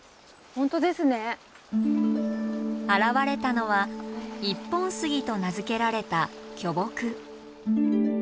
現れたのは「一本杉」と名付けられた巨木。